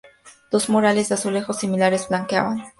Dos murales de azulejos similares flanqueaban el corredor de entrada.